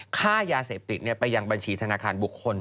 ค่ายาเสพติดไปยังบัญชีธนาคารบุคคล